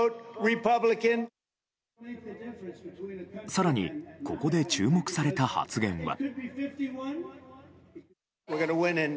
更にここで注目された発言は。